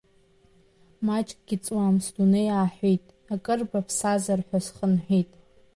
Маҷгьы ҵуам, сдунеи ааҳәит, акыр баԥсазар ҳәа схынҳәит…